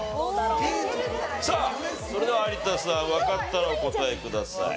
さあそれでは有田さんわかったらお答えください。